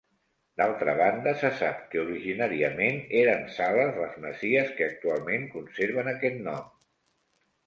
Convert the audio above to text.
D'altra banda, se sap que originàriament eren sales les masies que actualment conserven aquest nom.